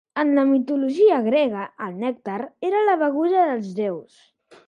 En la mitologia grega, el nèctar era la beguda dels déus.